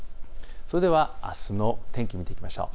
それではあすの天気を見ていきましょう。